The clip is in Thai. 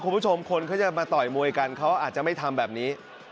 คุณผู้ชมคนเขาจะมาต่อยมวยกันเขาอาจจะไม่ทำแบบนี้